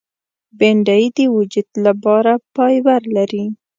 بېنډۍ د وجود لپاره فایبر لري